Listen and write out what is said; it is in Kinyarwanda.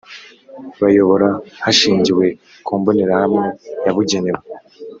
bayobora hashingiwe ku mbonerahamwe yabugenewe